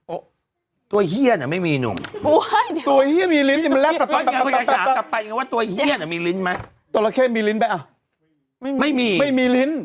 โอ๊ะตัวเฮียน่ะไม่มีหนุ่ม